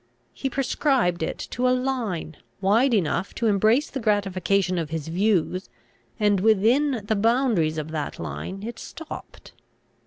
He prescribed to it a line, wide enough to embrace the gratification of his views, and within the boundaries of that line it stopped.